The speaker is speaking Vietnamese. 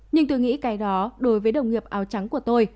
nhưng tôi nghĩ cái đó đối với đồng nghiệp áo trắng của tôi